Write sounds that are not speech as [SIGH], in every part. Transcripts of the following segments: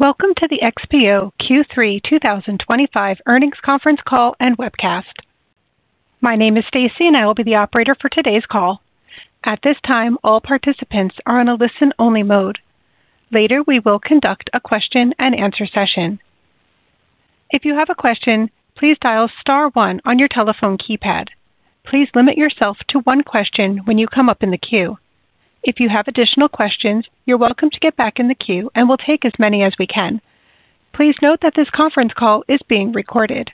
Welcome to the XPO Q3 2025 earnings conference call and webcast. My name is Stacey and I will be the operator for today's call. At this time, all participants are in a listen only mode. Later, we will conduct a question-and-answer session. If you have a question, please dial one on your telephone keypad. Please limit yourself to one question when you come up in the queue. If you have additional questions, you're welcome to get back in the queue and we'll take as many as we can. Please note that this conference call is being recorded.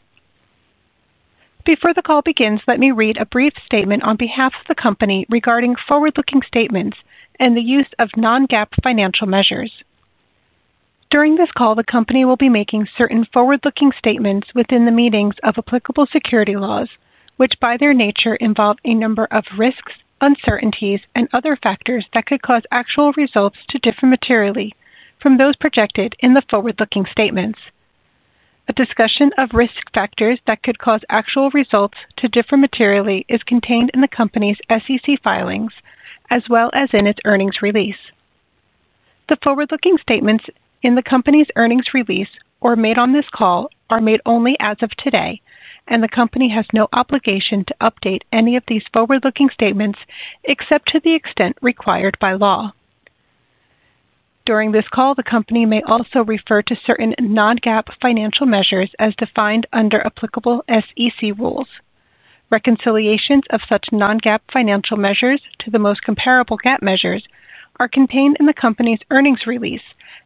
Before the call begins, let me read a brief statement on behalf of the Company regarding forward looking statements and the use of non-GAAP financial measures. During this call, the Company will be making certain forward looking statements within the meanings of applicable security laws, which by their nature involve a number of risks, uncertainties, and other factors that could cause actual results to differ materially from those projected in the forward looking statements. A discussion of risk factors that could cause actual results to differ materially is contained in the Company's SEC filings as well as in its earnings release. The forward looking statements in the Company's earnings release or made on this call are made only as of today, and the Company has no obligation to update any of these forward looking statements except to the extent required by law. During this call, the Company may also refer to certain non-GAAP financial measures as defined under applicable SEC rules. Reconciliations of such non-GAAP financial measures to the most comparable GAAP measures are contained in the Company's earnings release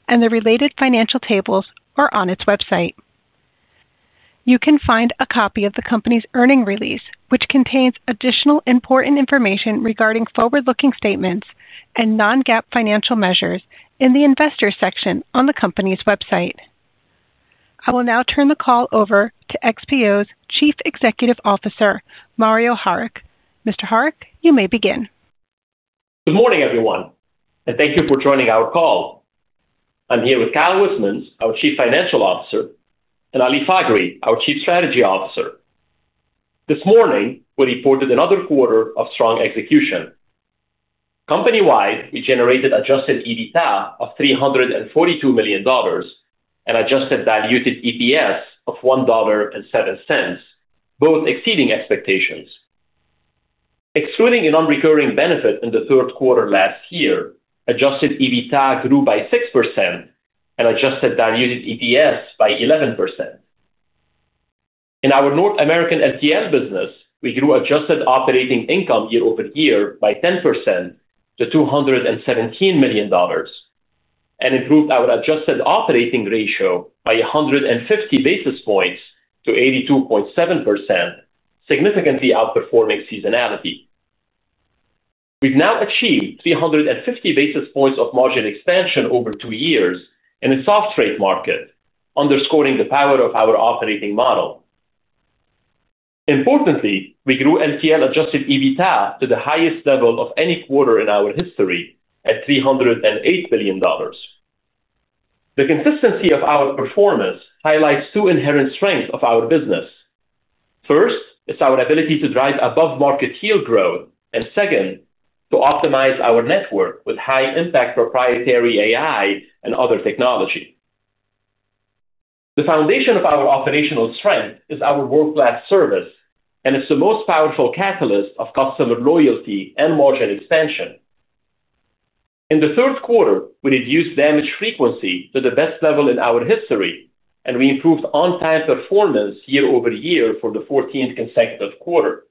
and the related financial tables or on its website. You can find a copy of the Company's earnings release, which contains additional important information regarding forward looking statements and non-GAAP financial measures, in the Investors section on the Company's website. I will now turn the call over to XPO's Chief Executive Officer, Mario Harik. Mr. Harik, you may begin. Good morning everyone and thank you for joining our call. I'm here with Kyle Wismans, our Chief Financial Officer, and Ali Faghri, our Chief Strategy Officer. This morning we reported another quarter of strong execution company-wide. We generated adjusted EBITDA of $342 million and adjusted diluted EPS of $1.07, both exceeding expectations excluding a non-recurring benefit. In the third quarter last year, adjusted EBITDA grew by 6% and adjusted diluted EPS by 11%. In our North American LTL business, we grew adjusted operating income year-over-year by 10% to $217 million and improved our adjusted operating ratio by 150 basis points to 82.7%, significantly outperforming seasonality. We've now achieved 350 basis points of margin expansion over two years in a soft freight market, underscoring the power of our operating model. Importantly, we grew LTL adjusted EBITDA to the highest level of any quarter in our history at $308 million. The consistency of our performance highlights two inherent strengths of our business. First is our ability to drive above-market yield growth and second, to optimize our network with high-impact proprietary AI and other technology. The foundation of our operational strength is our world-class service and it's the most powerful catalyst of customer loyalty and margin expansion. In the third quarter, we reduced damage frequency to the best level in our history and we improved on-time performance year-over-year for the 14th consecutive quarter.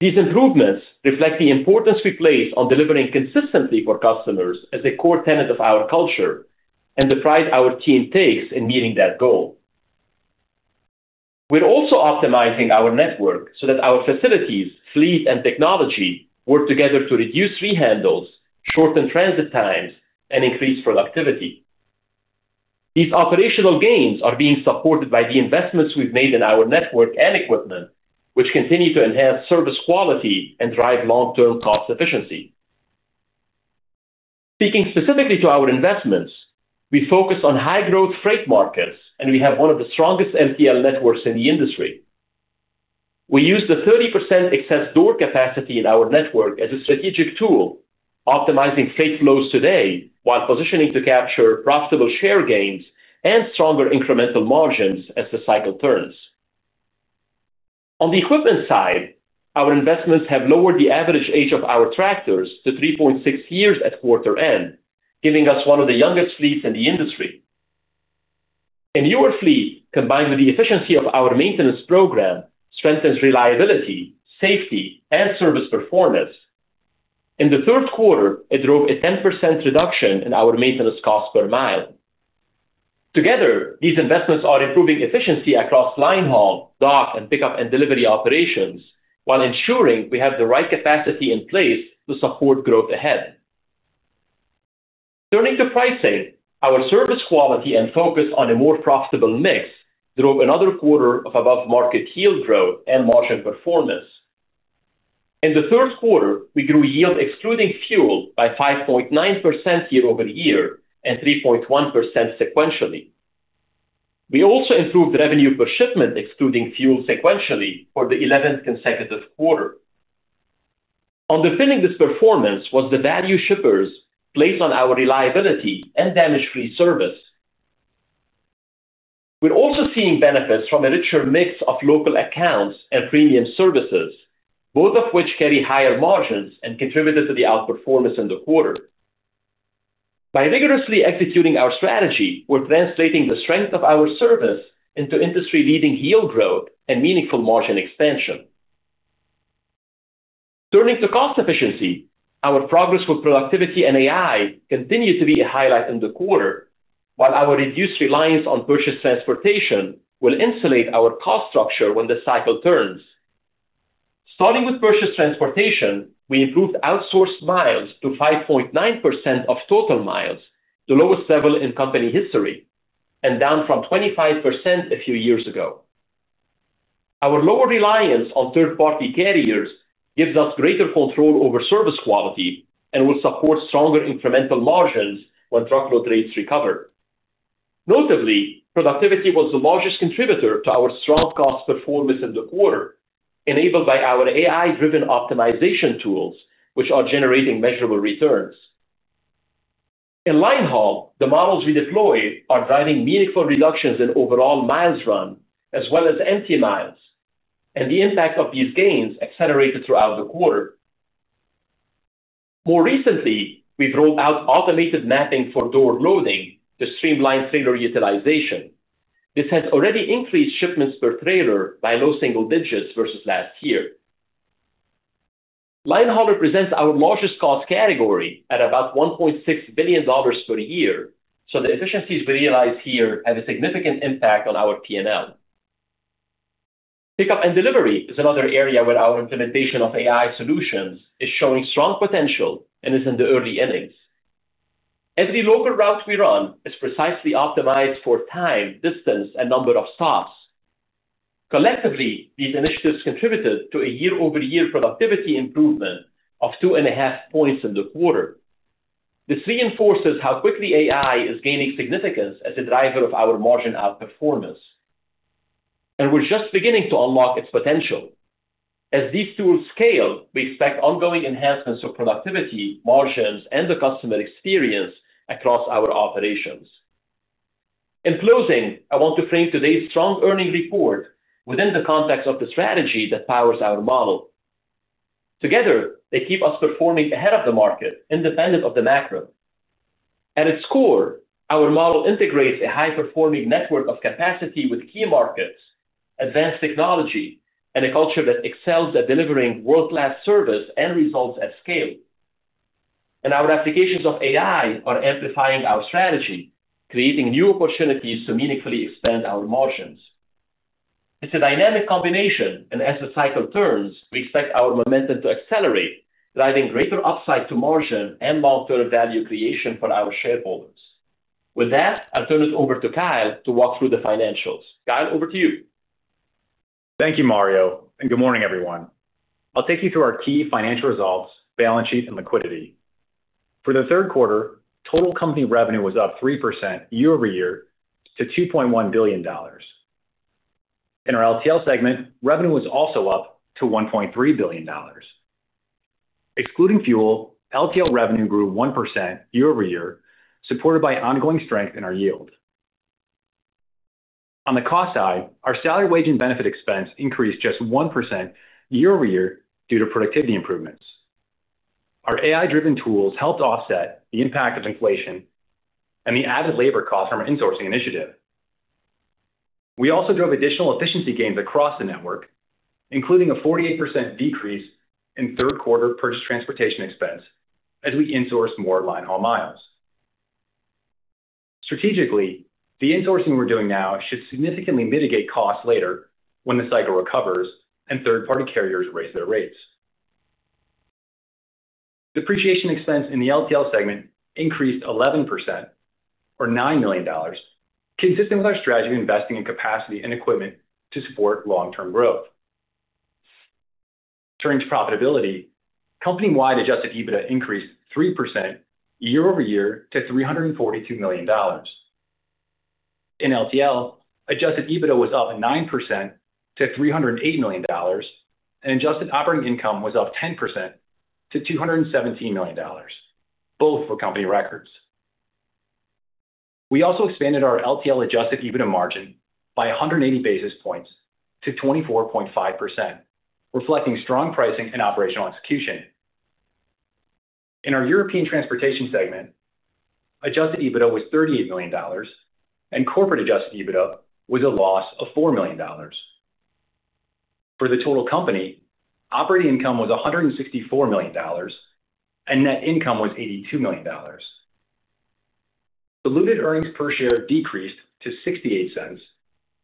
These improvements reflect the importance we place on delivering consistently for customers as a core tenet of our culture and the pride our team takes in meeting that goal. We're also optimizing our network so that our facilities, fleet, and technology work together to reduce rehandles, shorten transit times, and increase productivity. These operational gains are being supported by the investments we've made in our network and equipment, which continue to enhance service quality and drive long-term cost efficiency. Speaking specifically to our investments, we focus on high-growth freight markets and we have one of the strongest LTL networks in the industry. We use the 30% excess door capacity in our network as a strategic tool, optimizing freight flows today while positioning to capture profitable share gains and stronger incremental margins as the cycle turns. On the equipment side, our investments have lowered the average age of our tractors to 3.6 years at quarter end, giving us one of the youngest fleets in the industry. A newer fleet combined with the efficiency of our maintenance program strengthens reliability, safety, and service performance. In the third quarter, it drove a 10% reduction in our maintenance cost per mile. Together, these investments are improving efficiency across linehaul, dock, and pickup and delivery operations while ensuring we have the right capacity in place to support growth ahead. Turning to pricing, our service quality and focus on a more profitable mix drove another quarter of above-market yield growth and margin performance. In the third quarter, we grew yield excluding fuel by 5.9% year-over-year and 3.1% sequentially. We also improved revenue per shipment, excluding fuel, sequentially for the 11th consecutive quarter. Underpinning this performance was the value shippers place on our reliability and damage-free service. We're also seeing benefits from a richer mix of local accounts and premium services, both of which carry higher margins and contributed to the outperformance in the quarter. By vigorously executing our strategy, we're translating the strength of our service into industry-leading yield growth and meaningful margin expansion. Turning to cost efficiency, our progress with productivity and AI continued to be a highlight in the quarter, while our reduced reliance on purchased transportation will insulate our cost structure when the cycle turns. Starting with purchased transportation, we improved outsourced miles to 5.9% of total miles, the lowest level in company history and down from 25% a few years ago. Our lower reliance on third-party carriers gives us greater control over service quality and will support stronger incremental margins when truckload rates recover. Notably, productivity was the largest contributor to our strong cost performance in the quarter, enabled by our AI-driven optimization tools which are generating measurable returns in linehaul. The models we deploy are driving meaningful reductions in overall miles running as well as empty miles, and the impact of these gains accelerated throughout the quarter. More recently, we've rolled out automated mapping for door loading to streamline trailer utilization. This has already increased shipments per trailer by low single digits versus last year. Linehaul presents our largest cost category at about $1.6 billion per year. The efficiencies we realize here have a significant impact on our P&L. Pickup and delivery is another area where our implementation of AI solutions is showing strong potential and is in the early innings. Every local route we run is precisely optimized for time, distance, and number of stops. Collectively, these initiatives contributed to a year-over-year productivity improvement of 2.5 points in the quarter. This reinforces how quickly AI is gaining significance as a driver of our margin outperformance, and we're just beginning to unlock its potential. As these tools scale, we expect ongoing enhancements of productivity, margins, and the customer experience across our operations. In closing, I want to frame today's strong earnings report within the context of the strategy that powers our model. Together, they keep us performing ahead of the market, independent of the macro. At its core, our model integrates a high-performing network of capacity with key markets, advanced technology, and a culture that excels at delivering world-class service and results at scale. Our applications of AI are amplifying our strategy, creating new opportunities to meaningfully expand our margins. It's a dynamic combination, and as the cycle turns, we expect our momentum to accelerate, driving greater upside to margin and long-term value creation for our shareholders. With that, I'll turn it over to Kyle to walk through the financials. Kyle, over to you. Thank you, Mario, and good morning, everyone. I'll take you through our key financial results, balance sheet, and liquidity for the third quarter. Total company revenue was up 3% year-over-year to $2.1 billion. In our LTL segment, revenue was also up to $1.3 billion. Excluding fuel, LTL revenue grew 1% year-over-year, supported by ongoing strength in our yield. On the cost side, our salary, wage, and benefit expense increased just 1% year-over-year due to productivity improvements. Our AI-driven tools helped offset the impact of inflation and the added labor cost from our insourcing initiative. We also drove additional efficiency gains across the network, including a 48% decrease in third quarter purchased transportation expense as we insource more linehaul miles. Strategically, the insourcing we're doing now should significantly mitigate costs later when the cycle recovers and third-party carriers raise their rates. Depreciation expense in the LTL segment increased 11%, or $9 million, consistent with our strategy of investing in capacity and equipment to support long-term growth. Turning to profitability, company-wide adjusted EBITDA increased 3% year-over-year to $342 million. In LTL, adjusted EBITDA was up 9% to $308 million, and adjusted operating income was up 10% to $217 million. Both were company records. We also expanded our LTL adjusted EBITDA margin by 180 basis points to 24.5%, reflecting strong pricing and operational execution. In our European Transportation segment, adjusted EBITDA was $38 million, and corporate adjusted EBITDA was a loss of $4 million. For the total company, operating income was $164 million, and net income was $82 million. Diluted earnings per share decreased to $0.68,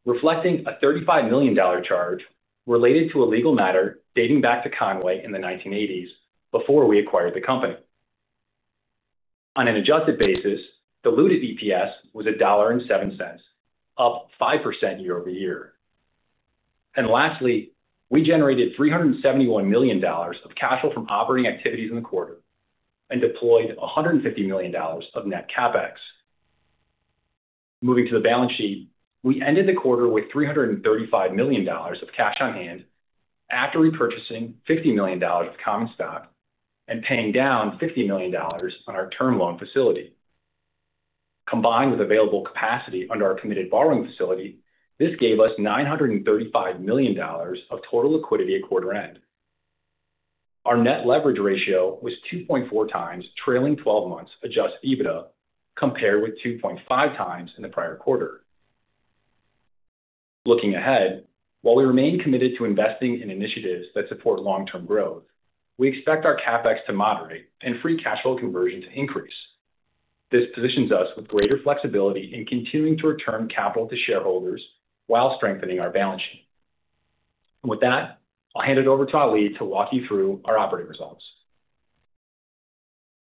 reflecting a $35 million charge related to a legal matter dating back to Con-way in the 1980s before we acquired the company. On an adjusted basis, diluted EPS was $1.07, up 5% year-over-year. Lastly, we generated $371 million of cash flow from operating activities in the quarter and deployed $150 million of net CapEx. Moving to the balance sheet, we ended the quarter with $335 million of cash-on-hand after repurchasing $50 million of common stock and paying down $50 million on our term loan facility. Combined with available capacity under our committed borrowing facility, this gave us $935 million of total liquidity. At quarter end, our net leverage ratio was 2.4x trailing 12 months adjusted EBITDA, compared with 2.5x in the prior quarter. Looking ahead, while we remain committed to investing in initiatives that support long-term growth, we expect our CapEx to moderate and free cash flow conversion to increase. This positions us with greater flexibility in continuing to return capital to shareholders while strengthening our balance sheet. With that, I'll hand it over to Ali to walk you through our operating results.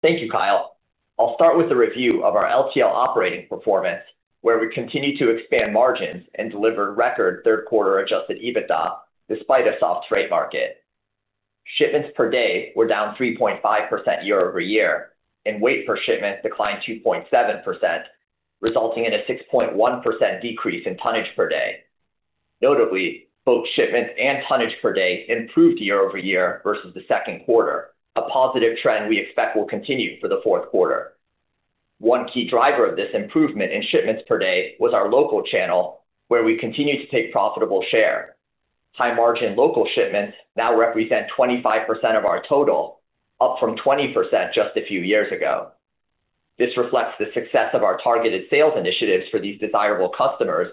Thank you, Kyle. I'll start with a review of our LTL operating performance where we continue to expand margins and deliver record third quarter adjusted EBITDA. Despite a soft freight market, shipments per day were down 3.5% year-over-year and weight per shipment declined 2.7%, resulting in a 6.1% decrease in tonnage per day. Notably, both shipments and tonnage per day improved year-over-year versus the second quarter, a positive trend we expect will continue for the fourth quarter. One key driver of this improvement in shipments per day was our local channel, where we continue to take profitable share. High margin local shipments now represent 25% of our total, up from 20% just a few years ago. This reflects the success of our targeted sales initiatives for these desirable customers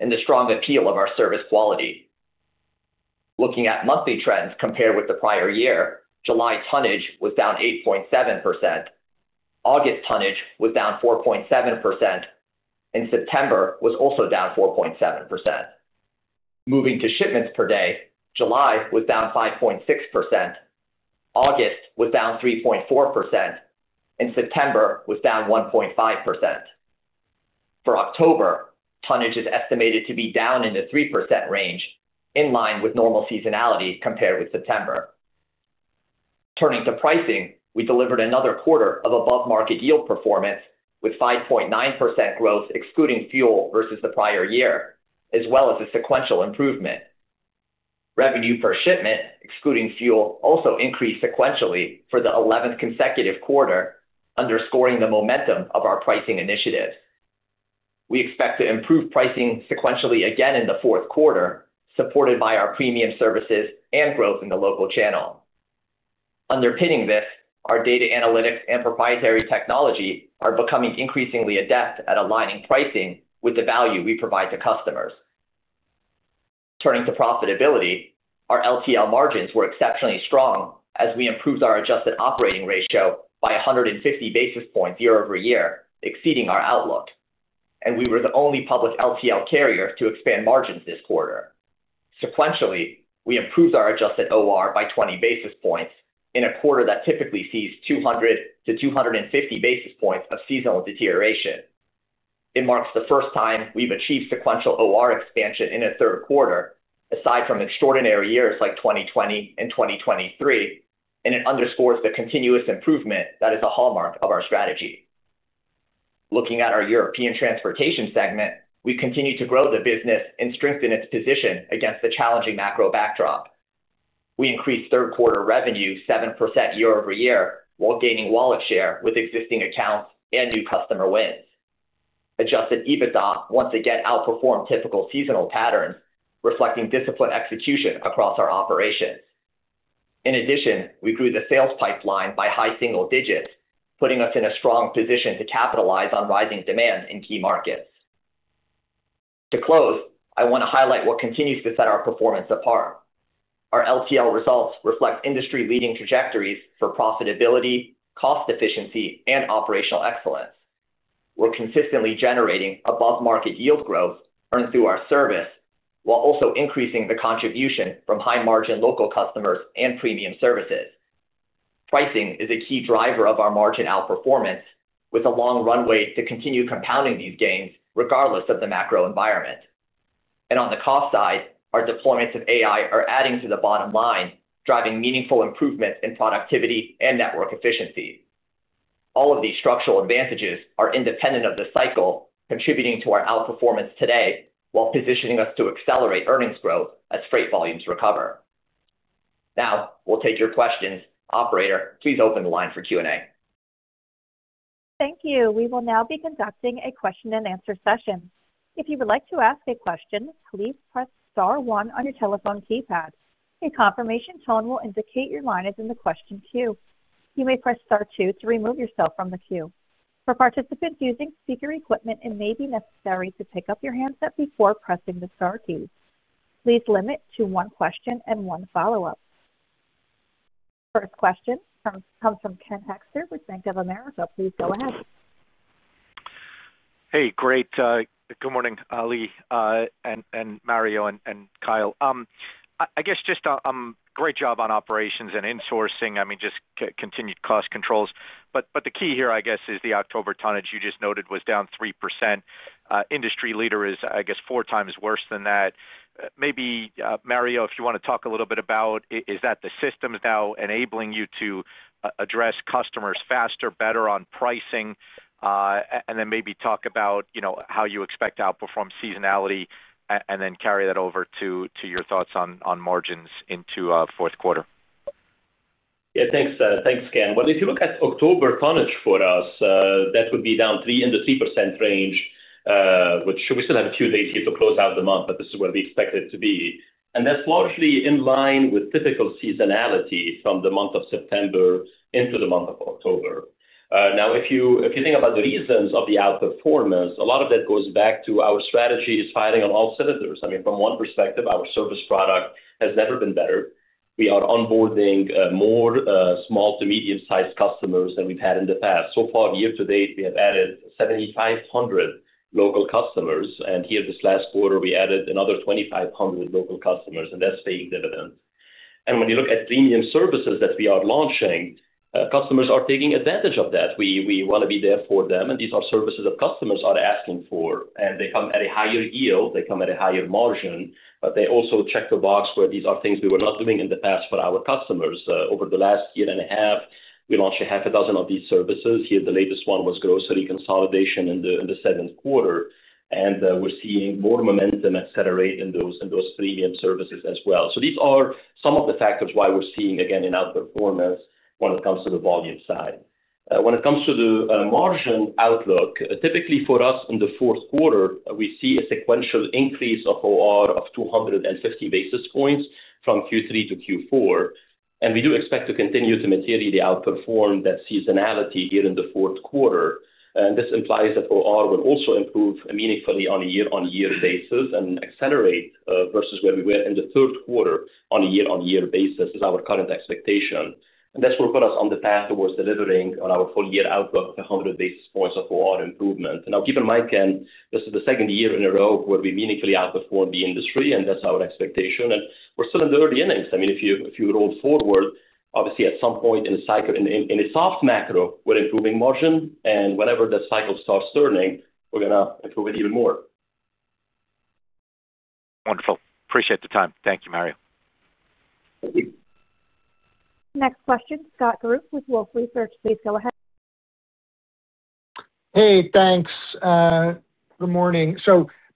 and the strong appeal of our service quality. Looking at monthly trends compared with the prior year, July tonnage was down 8.7%, August tonnage was down 4.7%, and September was also down 4.7%. Moving to shipments per day, July was down 5.6%, August was down 3.4%, and September was down 1.5%. For October, tonnage is estimated to be down in the 3% range in line with normal seasonality compared with September. Turning to pricing, we delivered another quarter of above market yield performance with 5.9% growth excluding fuel versus the prior year as well as a sequential improvement. Revenue per shipment excluding fuel also increased sequentially for the 11th consecutive quarter, underscoring the momentum of our pricing initiatives. We expect to improve pricing sequentially again in the fourth quarter, supported by our premium services and growth in the local channel. Underpinning this, our data analytics and proprietary technology are becoming increasingly adept at aligning pricing with the value we provide to customers. Turning to profitability, our LTL margins were exceptionally strong as we improved our adjusted operating ratio by 150 basis points year-over-year, exceeding our outlook, and we were the only public LTL carrier to expand margins this quarter. Sequentially, we improved our adjusted OR by 20 basis points in a quarter that typically sees 200-250 basis points of seasonal deterioration. It marks the first time we've achieved sequential operating ratio expansion in a third quarter, aside from extraordinary years like 2020 and 2023, and it underscores the continuous improvement that is a hallmark of our strategy. Looking at our European Transportation segment, we continue to grow the business and strengthen its position against the challenging macro backdrop. We increased third quarter revenue 7% year-over-year while gaining wallet share with existing accounts and new customer wins. Adjusted EBITDA once again outperformed typical seasonal patterns, reflecting disciplined execution across our operations. In addition, we grew the sales pipeline by high single digits, putting us in a strong position to capitalize on rising demand in key markets. To close, I want to highlight what continues to set our performance apart. Our LTL results reflect industry-leading trajectories for profitability, cost efficiency, and operational excellence. We're consistently generating above-market yield growth earned through our service while also increasing the contribution from high-margin local customers and premium services. Pricing is a key driver of our margin outperformance with a long runway to continue compounding these gains regardless of the macro environment. On the cost side, our deployments of AI-driven technology are adding to the bottom line, driving meaningful improvements in productivity and network efficiency. All of these structural advantages are independent of the cycle, contributing to our outperformance today while positioning us to accelerate earnings growth as freight volumes recover. Now we'll take your questions. Operator, please open the line for Q&A. Thank you. We will now be conducting a question-and-answer session. If you would like to ask a question, please press star one on your telephone keypad. A confirmation tone will indicate your line is in the question queue. You may press star two to remove yourself from the queue. For participants using speaker equipment, it may be necessary to pick up your handset before pressing the star keys. Please limit to one question and one follow up. First question comes from Ken Hoexter with Bank of America. Please go ahead. Hey, great. Good morning, Ali, Mario, and Kyle. Great job on operations and insourcing. I mean just continued cost controls. The key here is the October tonnage you just noted was down 3%. Industry leader is four times worse than that. Maybe Mario, if you want to talk Little bit about is that the system Is now enabling to address customers faster, better on pricing, and then maybe talk about how you expect to outperform seasonality and then carry that over to your thoughts on margins into fourth quarter. Thanks, Ken. If you look at October tonnage for us, that would be down 3% in the 3% range, which we still have a few days here to close out the month, but this is where we expect it to be and that's largely in line with typical seasonality from the month of September into the month of October. If you think about the reasons of the outperformance, a lot of that goes back to our strategy is firing on all cylinders. From one perspective, our service product has never been better. We are onboarding more small-to-medium sized customers than we've had in the past. So far, year to date we have added 7,500 local customers and here this last quarter we added another 2,500 local customers and that's being dividend. When you look at premium services that we are launching, customers are taking advantage of that. We want to be there for them. These are services customers are asking for and they come at a higher yield, they come at a higher margin. They also check the box where these are things we were not doing in the past for our customers. Over the last year and a half, we launched a half a dozen of these services here. The latest one was grocery consolidation in the seventh quarter and we're seeing more momentum accelerate in those three VM services as well. These are some of the factors why we're seeing again in outperformance when it comes to the volume side. When it comes to the margin outlook, typically for us in the fourth quarter we see a sequential increase of 250 basis points from Q3 to Q4. We do expect to continue to materially outperform that seasonality here in the fourth quarter. This implies that OR will also improve meaningfully on a year-on-year basis and accelerate versus where we were in the third quarter on a year-on-year basis is our current expectation. This will put us on the path towards delivering on our full year outlook of 100 basis points of OR improvement. Now given, Mike, this is the second year in a row where we meaningfully outperformed the industry and that's our expectation. We're still in the early innings. If you roll forward, obviously at some point in the cycle in a soft macro, we're improving margin and whenever the cycle starts turning we're going to improve it even more. Wonderful. Appreciate the time. Thank you, Mario. Next question. Scott Group with Wolfe Research, please go ahead. Thanks. Good morning.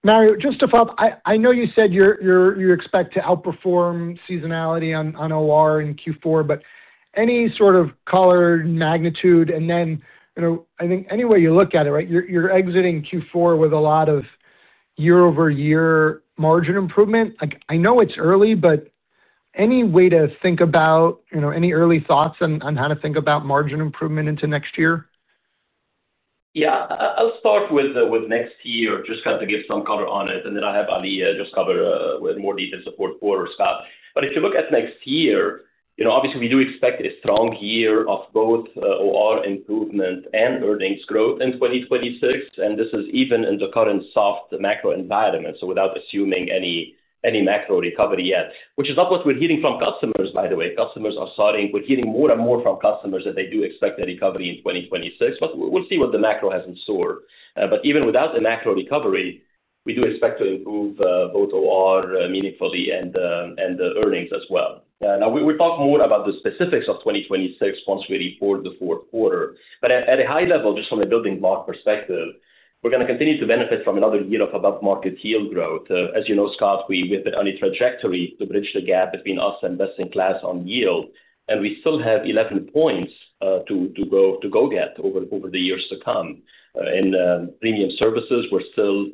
Mario, just to follow up, I know you said you expect to outperform seasonality in Q4, but any sort of color magnitude? I think any way you look at it, you're exiting Q4 with a lot of year-over-year margin improvement. I know it's early, but any way to think about any early thoughts on how to think about margin improvement into next year? Yeah, I'll start with next year just to give some color on it and then I have Ali just cover with more detailed support for Scott. If you look at next year, obviously we do expect a strong year of both OR improvement and earnings growth in 2026 and this is even in the current soft macro environment. Without assuming any macro recovery yet, which is not what we're hearing from customers by the way, customers are starting. We're hearing more and more from customers that they do expect a recovery in 2026, but we'll see what the macro has in store. Even without the macro recovery, we do expect to improve OR meaningfully and the earnings as well. We'll talk more about the specifics of 2026 once we report the fourth quarter. At a high level, just from a building block perspective, we're going to continue to benefit from another year of above market yield growth. As you know, Scott, we trajectory to bridge the gap between us and best in class on yield and we still have 11 points to go get over the years to come in premium services. We're still,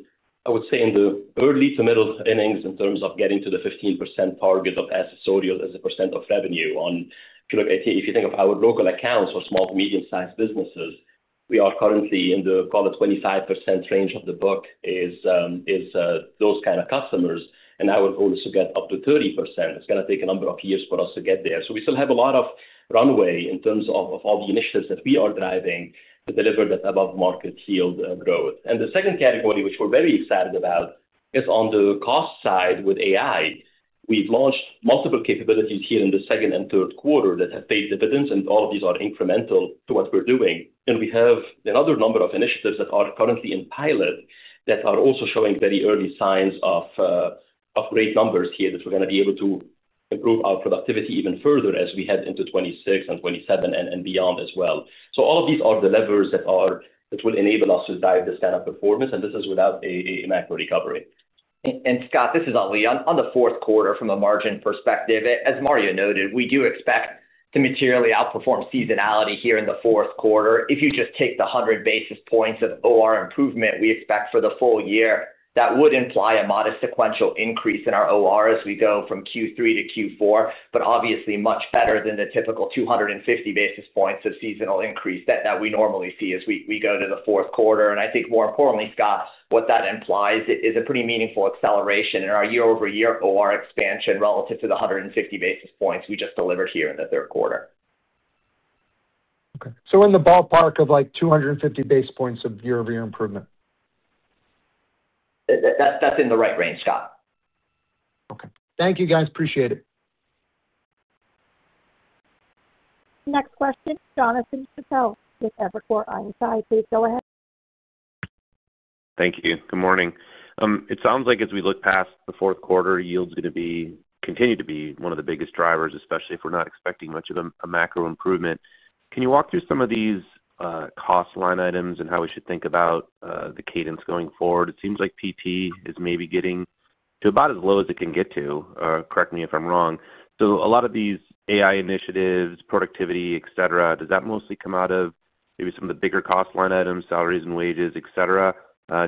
I would say, in the early to middle innings in terms of getting to the 15% target of assessorial as a percent of revenue. If you think of our local accounts or small to medium sized businesses, we are currently in the call of 25% range of the book is those kind of customers and I would also get up to 30%. It's going to take a number of years for us to get there. We still have a lot of runway in terms of all the initiatives that we are driving to deliver that above market yield growth. The second category, which we're very excited about, is on the cost side with AI. We've launched multiple capabilities here in the second and third quarter that have paid dividends and all of these are incremental to what we're doing. We have another number of initiatives that are currently in pilot that are also showing very early signs of great numbers here that we're going to be able to improve our productivity even further as we head into 2026 and 2027 and beyond as well. All of these are the levers that will enable us to drive this kind of performance. This is without a macro recovery. Scott, this is Ali on the fourth quarter from a margin perspective. As Mario noted, we do expect to materially outperform seasonality here in the fourth quarter. If you just take the 100 basis points of OR improvement we expect for the full year, that would imply a modest sequential increase in our OR as we go from Q3 to Q4, but obviously much better than the typical 250 basis points of seasonal increase that we normally see as we go to the fourth quarter. I think more importantly, Scott, what that implies is a pretty meaningful acceleration in our year-over-year OR expansion relative to the 150 basis points we just delivered here in the third quarter. Okay, so in the ballpark of like 250 basis points of year-over-year improvement. That's in the right range, Scott. Okay, thank you guys. Appreciate it. Next question. Jonathan Chappell with Evercore ISI, please go ahead. Thank you. Good morning. It sounds like as we look past the fourth quarter, yield is going to continue to be one of the biggest drivers, especially if we're not expecting much of a macro improvement. Can you walk through some of these cost line items and how we should think about the cadence going forward? It seems like PT is maybe getting to about as low as it can get to, correct me if I'm wrong. A lot of these AI initiatives, productivity, et cetera, does that mostly come out of maybe some of the bigger cost line items, salaries and wages, et cetera?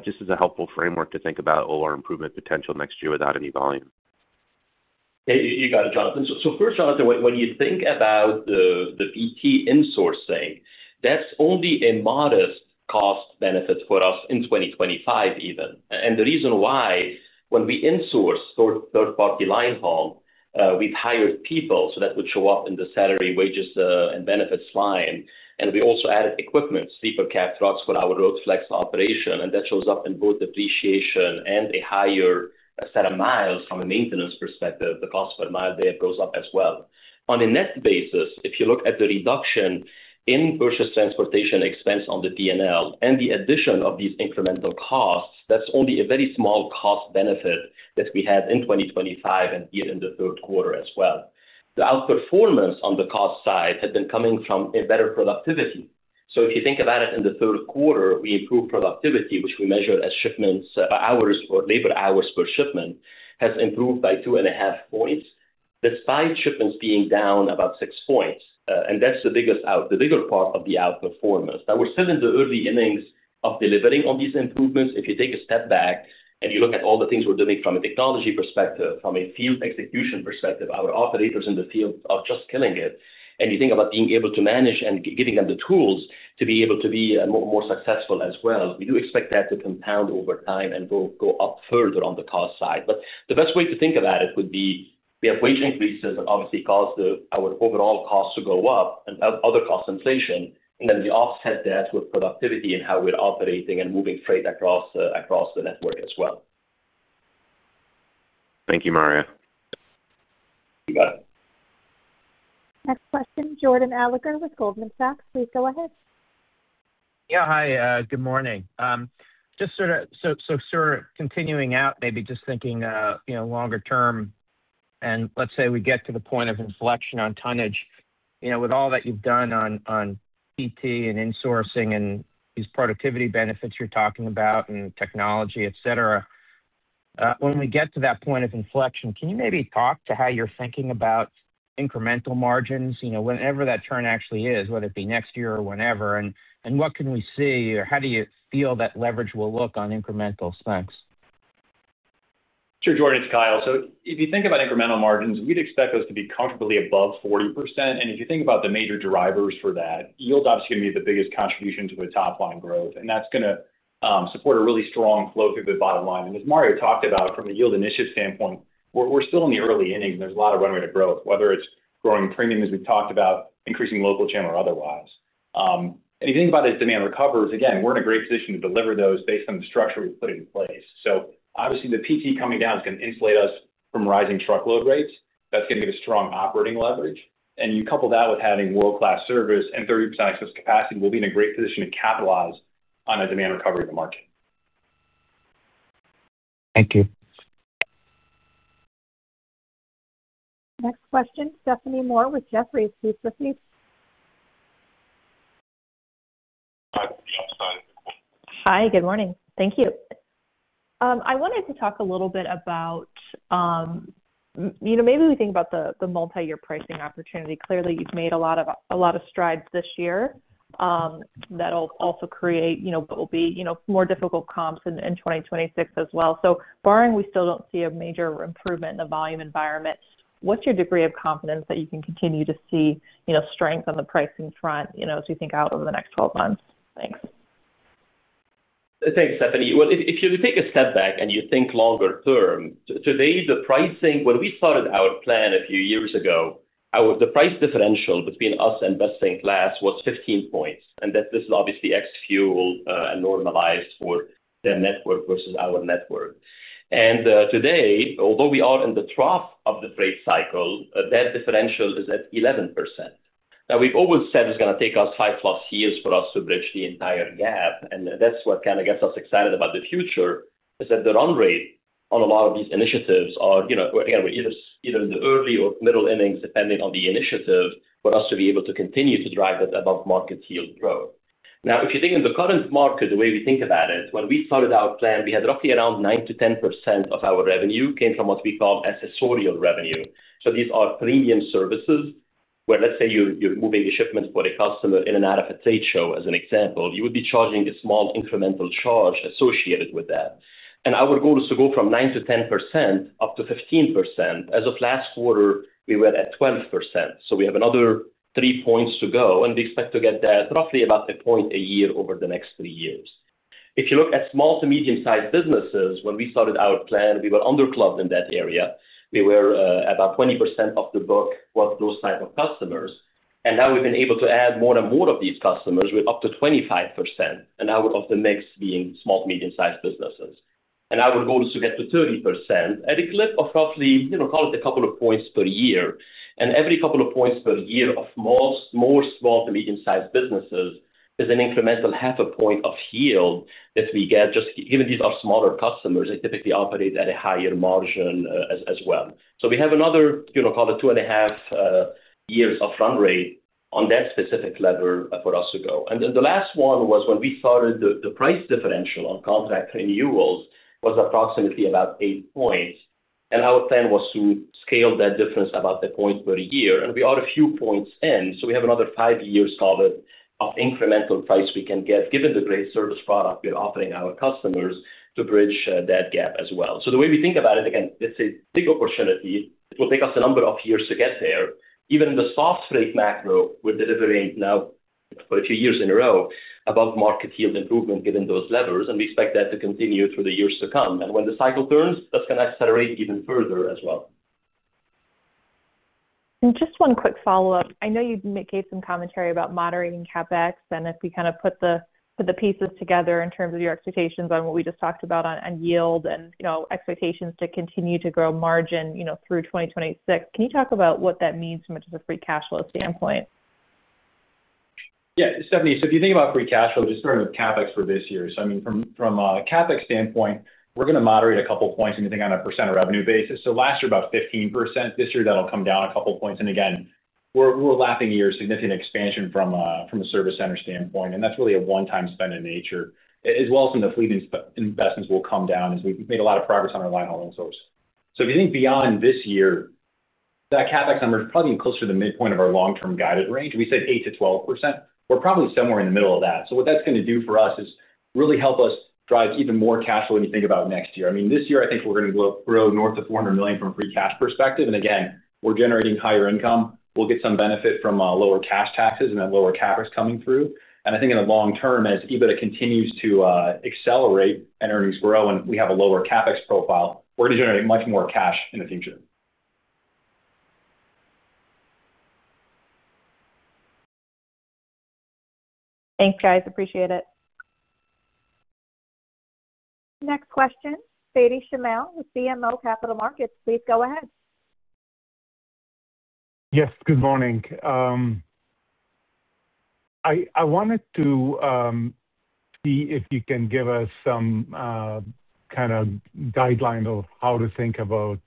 Just as a helpful framework to think about overall improvement potential next year without any volume. You got it, Jonathan. First, Jonathan, when you think about the PT insourcing, that's only a modest cost benefit for us in 2025 even. The reason why, when we insource third party linehaul, we've hired people so that would show up in the salary, wages and benefits line. We also added equipment, sleeper cab trucks for our road flex operation, and that shows up in both depreciation and a higher set of miles. From a maintenance perspective, the cost per mile there goes up as well. On a net basis, if you look at the reduction in purchased transportation expense on the D&L and the addition of these incremental costs, that's only a very small cost benefit that we had in 2025 and here in the third quarter as well. The outperformance on the cost side had been coming from better productivity. If you think about it, in the third quarter we improved productivity, which we measured as labor hours per shipment, by 2.5 points despite shipments being down about six points. That's the bigger part of the outperformance. We're still in the early innings of delivering on these improvements. If you take a step back and you look at all the things we're doing from a technology perspective, from a field execution perspective, our operators in the field are just killing it. You think about being able to manage and giving them the tools to be able to be more successful as well. We do expect that to compound over time and go up further on the cost side. The best way to think about it would be we have wage increases that obviously cause our overall cost to go up and other cost inflation, and then we offset that with productivity and how we're operating and moving freight across the network as well. Thank you, Mario. You got it. Next question. Jordan Alliger with Goldman Sachs, please go ahead. Yeah, hi, good morning. Maybe just thinking longer term and let's say we get to the point of inflection on tonnage. With all that you've done on PT, insourcing and these productivity benefits you're talking about and technology, et cetera. When we get to that point of inflection, can you maybe talk to how you're thinking about incremental margins whenever that turn actually is, whether it be next year or whenever, and what can we see or how do you feel that leverage will look on incrementals? Thanks. Sure. Jordan, it's Kyle. If you think about incremental margins, we'd expect those to be comfortably above 40%. If you think about the major drivers for that, yield is obviously going to be the biggest contribution to the top line growth and that's going to support a really strong flow through the bottom line. As Mario talked about, from the yield initiative standpoint, we're still in the early innings. There's a lot of run rate of growth, whether it's growing premium as we've talked about, increasing local channel or otherwise. If you think about as demand recovers, again we're in a great position to deliver those based on the structure we put in place. Obviously the PT coming down is going to insulate us from rising truckload rates. That's going to give us strong operating leverage. You couple that with having world class service and 30% excess capacity, we'll be in a great position to capitalize on a demand recovery of the market. Thank you. Next question. Stephanie Moore with Jefferies, please. Hi, good morning. Thank you. I wanted to talk a little bit about, you know, maybe we think about the multi-year pricing opportunity. Clearly you've made a lot of strides this year that will also create what will be more difficult comps in 2026 as well. Barring we still don't see a major improvement in the volume environment, what's your degree of confidence that you can continue to see strength on the pricing front as you think out over he next 12 months? Thanks. Thanks, Stephanie. If you take a step back and you think longer term, today, the pricing. When we started our plan a few years ago, the price differential between us and best in class was 15 points. This is obviously ex-fuel and normalized for their network versus our network. Today, although we are in the trough of the freight cycle, that differential is at 11%. We've always said it's going to take us five plus years for us to bridge the entire gap, and that's what kind of gets us excited about the future, is that the run rate on a lot of these initiatives are, again, we're either in the early or middle innings depending on the initiative for us to be able to continue to drive that above market yield growth. If you think in the current market, the way we think about it, when we started our plan we had roughly around 9%-10% of our revenue came from what we call accessorial revenue. These are premium services where, let's say, you're moving a shipment for a customer in and out of a trade show as an example, you would be charging a small incremental charge associated with that. Our goal is to go from 9%-10% up to 15%. As of last quarter, we were at 12%. We have another three points to go, and we expect to get that, roughly about a point a year over the next three years. If you look at small to medium sized businesses, when we started our plan we were under-clubbed in that area. We were about 20% of the book was those type of customers. Now we've been able to add more and more of these customers, with up to 25% of the mix being small-to-medium sized businesses. Our goal is to get to 30% at a clip of roughly, call it, a couple of points per year. Every couple of points per year of more small to medium sized businesses is an incremental half a point of yield that we get, just given these are smaller customers, they typically operate at a higher margin as well. We have another, call it, two and a half years of run rate on that specific lever for us to go. The last one was when we started, the price differential on contract renewals was approximately about eight points. Our plan was to scale that difference about a point per year, and we are a few points in. We have another five years of incremental price we can get, given the great service product we are offering our customers, to bridge that gap as well. The way we think about it, again, it's a big opportunity. It will take us a number of years to get there. Even in the soft freight macro, we're delivering now for a few years in a row above market yield improvement given those levers. We expect that to continue through the years to come, and when the cycle turns, that's going to accelerate even further as well. Just one quick follow up. I know you gave some commentary about moderating CapEx, and if we kind of put the pieces together in terms of your expectations on what we just talked about on yield and expectations to continue to grow margin through 2026, can you talk about what that means from a free cash flow standpoint? Yeah, Stephanie, if you think about free cash flow just starting with CapEx for this year, so I mean from a CapEx standpoint we're going to moderate a couple points. Anything on a percent revenue basis. Last year about 15%. This year that'll come down a couple points. We're lapping year significant expansion from a service center standpoint. That's really a one-time spend in nature as well as some of the fleet investments will come down as we made a lot of progress on our line holding source. If you think beyond this year that CapEx number is probably closer to the midpoint of our long-term guided range. We said 8%-12%. We're probably somewhere in the middle of that. What that's going to do for us is really help us drive even more cash flow. When you think about next year, I mean this year I think we're going to grow north of $400 million from a free cash perspective. We're generating higher income. We'll get some benefit from lower cash taxes and then lower CapEx coming through. I think in the long term as EBITDA continues to accelerate and earnings grow and we have a lower CapEx profile, we're going to generate much more cash in the future. Thanks, guys, appreciate it. Next question, Fadi Chamoun with BMO Capital Markets. Please go ahead. Yes, good morning. I wanted to see if you can give us some kind of guideline of how to think about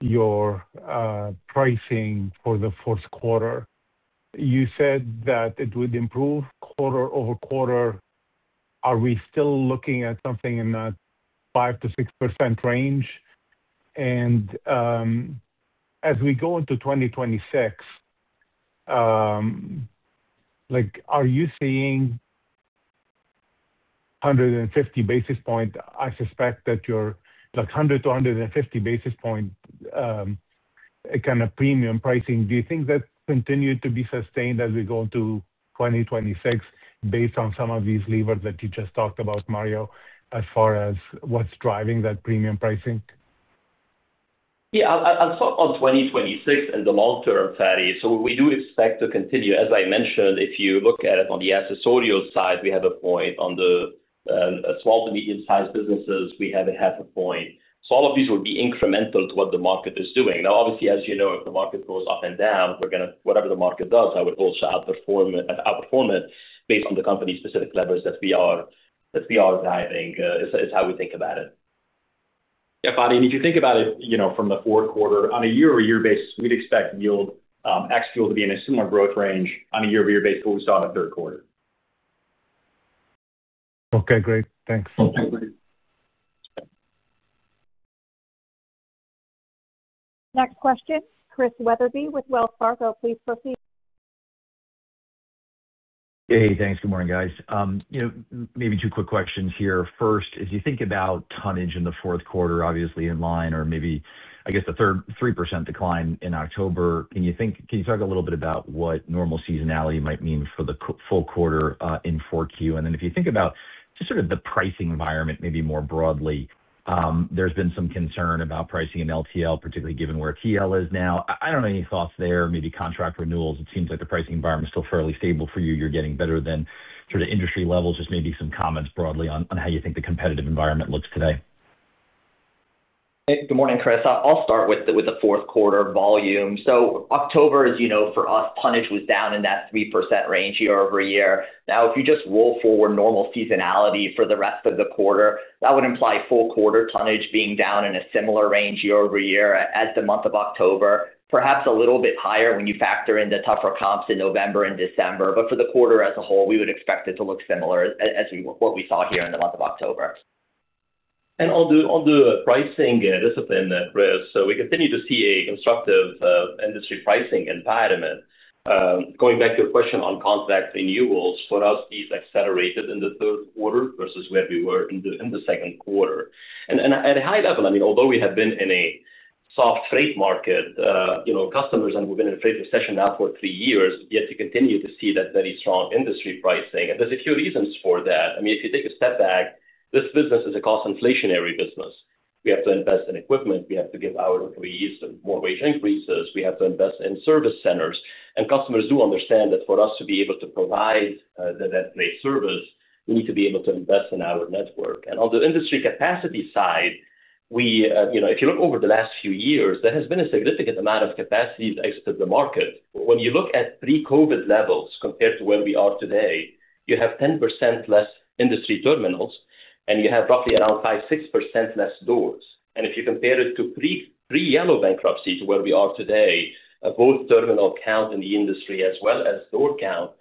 your pricing for the fourth quarter. You said that it would improve quarter-over-quarter. Are we still looking at something in that 5%-6% range as we go into 2026? Are you seeing 150 basis points? I suspect that you're like 100-150 basis point kind of premium pricing. Do you think that continues to be sustained as we go to 2026 based on some of these levers that you just talked about, Mario, as far as what's driving that premium pricing? Yeah, I'll start on 2026 and the long-term, Fadi. We do expect to continue, as I mentioned. If you look at it on the assessorial side, we have a point. On the small-to-medium sized businesses, we have a half a point. All of these will be incremental to what the market is doing now. Obviously, as you know, if the market goes up and down, we're going to whatever the market does. I would also outperform and outperform it based on the company specific levers that we are driving is how we think about it. If you think about it, from the fourth quarter on a year-over-year basis, we'd expect yield excluding fuel to be in a similar growth range on a year-over-year basis to what we saw in the third quarter. Okay, great, thanks. Next question. Chris Wetherbee with Wells Fargo, please proceed. Hey, thanks. Good morning guys. Maybe two quick questions here. First, as you think about tonnage in the fourth quarter, obviously in line, or maybe the 3% decline in October, can you talk a little bit about what normal seasonality might mean for the full quarter in 4Q, and then if you think about the pricing environment, maybe more broadly, there's been some concern about pricing in LTL, particularly given where TL is now. I don't know. Any thoughts there? Maybe contract renewals? It seems like the pricing environment is still fairly stable for you. You're getting better than industry levels. Just maybe some comments broadly on how you think the competitive environment looks today. Good morning, Chris. I'll start with the fourth quarter volume. October, as you know, for us, tonnage was down in that 3% range year-over-year. Now if you just roll forward normal seasonality for the rest of the quarter, that would imply full quarter tonnage being down in a similar range year-over-year as the month of October, perhaps a little bit higher when you factor in the tougher comps in November and December. For the quarter as a whole, we would expect it to look similar as what we saw here month of October And on the pricing discipline. We continue to see a constructive industry pricing environment. Going back to your question on contract renewals, for us, these accelerated in the third quarter versus where we were in the second quarter and at a high level. Although we have been in a soft freight market, you know, customers, and we've been in a freight recession now for three years, yet continue to see that very strong industry pricing. There are a few reasons for that. If you take a step back, this business is a cost inflationary business. We have to invest in equipment, we have to give our employees more wage increases, we have to invest in service centers. Customers do understand that for us to be able to provide the net place service, we need to be able to invest in our network. On the industry capacity side, if you look over the last few years, there has been a significant amount of capacity to exit the market. When you look at pre-COVID levels compared to where we are today, you have 10% less industry terminals and you have roughly around 5%-6% less doors. If you compare it to pre-Yellow bankruptcies where we are today, both terminal count in the industry as well as door count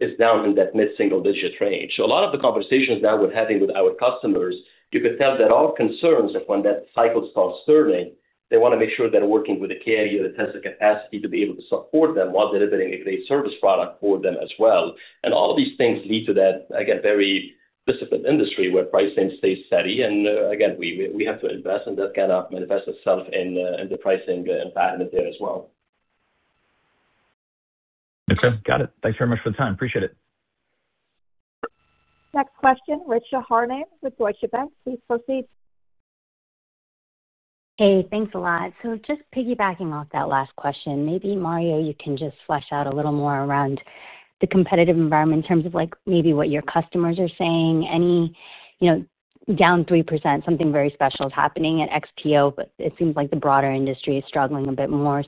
is down in that mid-single-digit range. A lot of the conversations now we're having with our customers, you can tell that our concerns when that cycle starts turning, they want to make sure they're working with the carrier that has the capacity to be able to support them while delivering a great service product for them as well. All of these things lead to that again very specific industry where pricing stays steady and again we have to invest and that cannot manifest itself in the pricing environment there as well. Okay, got it. Thanks very much for the time. Appreciate it. Next question. Richa Harmain with Deutsche Bank, please proceed. Hey, thanks a lot. Just piggybacking off that last question. Maybe Mario, you can just flesh out a little more around the competitive environment in terms of what your customers are saying, any, you know, down 3%. Something very special is happening at XPO. It seems like the broader industry is struggling a bit more.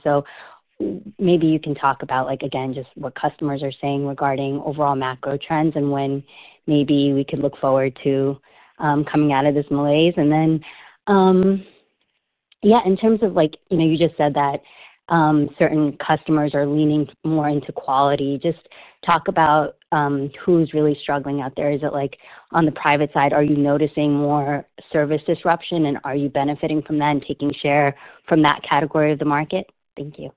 Maybe you can talk about again just what customers are saying regarding overall macro trends and when we could look forward to coming out of this malaise. In terms of you just said that certain customers are leaning more into quality, just talk about who's really struggling out there. Is it on the private side, are you noticing more service disruption, and are you benefiting from that and taking share from that category of the market? Thank you.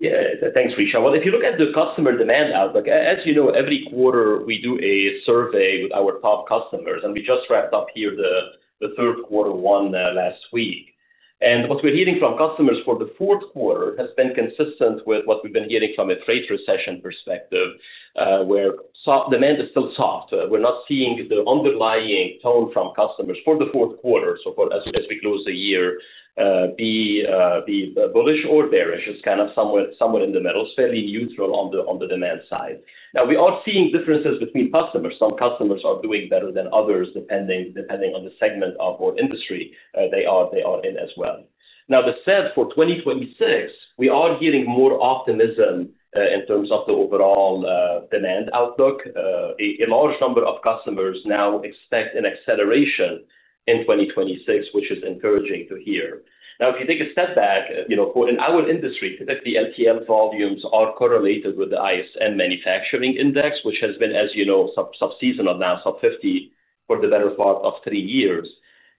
Yeah, thanks, Risha. If you look at the customer demand outlook, as you know, every quarter we do a survey with our top customers and we just wrapped up the third quarter one last week. What we're hearing from customers for the fourth quarter has been consistent with what we've been hearing from a freight recession perspective, where demand is still soft. We're not seeing the underlying tone from customers for the fourth quarter. As we close the year, be bullish or bearish, it's kind of somewhere in the middle, fairly neutral on the demand side. We are seeing differences between customers. Some customers are doing better than others depending on the segment of what industry they are in as well. For 2026, we are getting more optimism in terms of the overall demand outlook. A large number of customers now expect an acceleration in 2026, which is encouraging to hear. If you take a step back in our industry, typically LTL volumes are correlated with the ISM Manufacturing Index, which has been, as you know, sub-seasonal, now sub-50 for the better part of three years.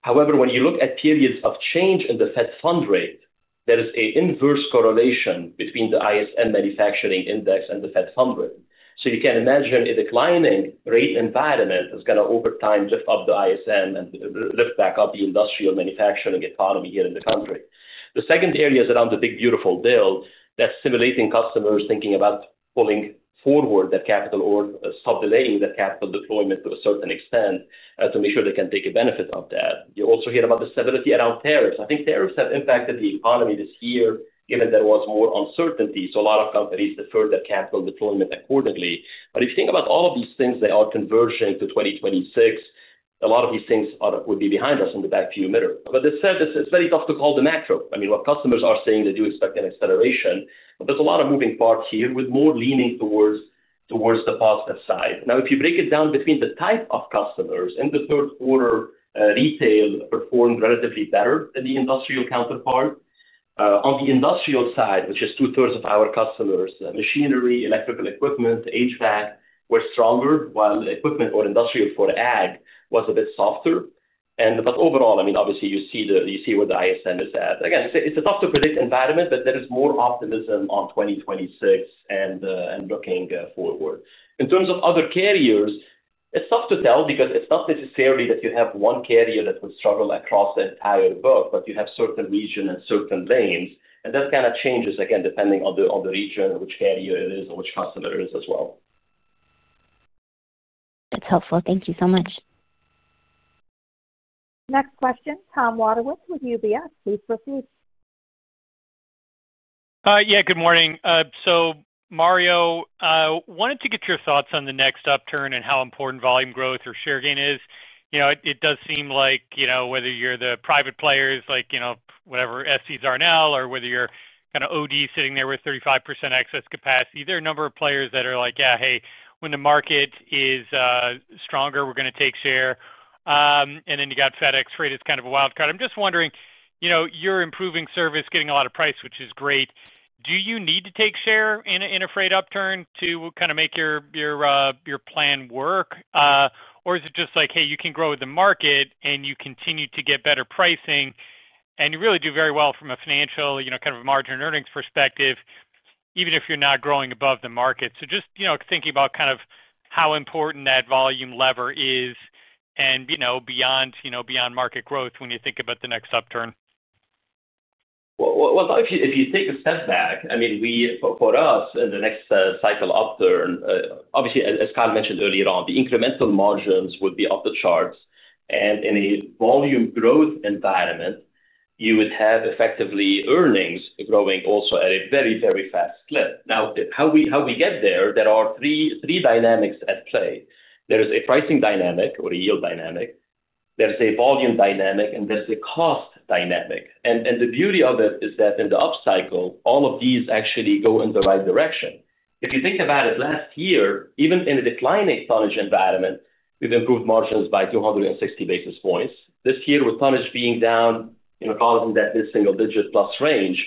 However, when you look at periods of change in the Fed Fund Rate, there is an inverse correlation between the ISM Manufacturing Index and the Fed Fund Rate. You can imagine a declining rate environment is going to over time lift up the ISM and lift back up the industrial manufacturing economy here in the country. The second area is around the big beautiful bill that's stimulating customers thinking about pulling forward that capital or stop delaying the capital deployment to a certain extent to make sure they can take a benefit of that. You also hear about the stability around tariffs. I think tariffs have impacted the economy this year given there was more uncertainty. A lot of companies deferred their capital deployment accordingly. If you think about all of these things, they are converging to 2026. A lot of these things would be behind us in the back view mirror. This service, it's very tough to call the macro. What customers are saying, they do expect an acceleration, but there's a lot of moving parts here with more leaning towards the positive side. If you break it down between the type of customers and the third quarter, retail performed relatively better than the industrial counterpart. On the Industrial side, which is two-thirds of our customers, machinery, electrical equipment, HVAC were stronger while equipment or industrial for AG was a bit softer. Overall, I mean obviously you see where the ISM is at. It's a tough to predict environment. There is more optimism on 2026 and looking forward in terms of other carriers, it's tough to tell because it's not necessarily that you have one carrier that would struggle across the entire book, but you have certain regions and certain lanes and that kind of changes depending on the region, which carrier it is or which customer it is as well. That's helpful. Thank you so much. Next question. Tom Wadewitz with UBS, please proceed. Yeah, good morning. Mario, wanted to get your thoughts on the next upturn and how important volume growth or share gain is. It does seem like whether you're the private players like whatever SCs are now or whether you're OD sitting there with 35% excess capacity, there are a number of players that are like yeah, hey, when the market is stronger we're going to take share. You have FedEx Freight as kind of a wildcard. I'm just wondering, you're improving service, getting a lot of price, which is great. Do you need to take share in a freight upturn to make your plan work or is it just like hey, you can grow the market and you continue to get better pricing and you really do very well from a financial kind of margin and earnings perspective even if you're not growing above the market. Just thinking about how important that volume lever is and beyond market growth when you think about the next upturn. If you take a step back for us in the next cycle upturn, obviously as Kyle mentioned earlier on, the incremental margins would be off the charts and in a volume growth environment you would have effectively earnings growing also at a very very fast clip. How we get there, there are three dynamics at play. There is a pricing dynamic or a yield dynamic. There's a volume dynamic and there's a cost dynamic. The beauty of it is that in the upcycle all of these actually go in the right direction. If you think about it, last year, even in a declining tonnage environment, we've improved margins by 260 basis points. This year, with tonnage being down single digit plus range,